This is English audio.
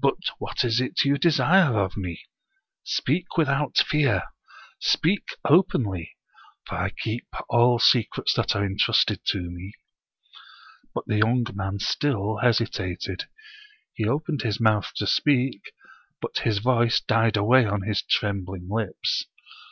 But what is it you desire of me? Speak i6 The Power of Eloquence without fear, speak openly, for I keep all secrets that are intrusted to me." But the young man still hesitated. He opened his mouth to speak, but his voice died away on his trembling lips.